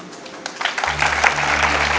เพลงที่๓มูลค่า๔